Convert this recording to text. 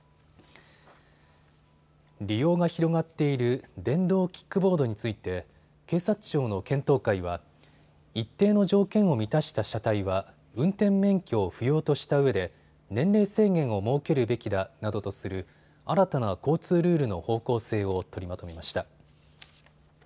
利用が広がっている電動キックボードについて警察庁の検討会は一定の条件を満たした車体は運転免許を不要としたうえで年齢制限を設けるべきだなどとする新たな交通ルールの方向性を取りまとめました。